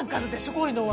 こういうのは。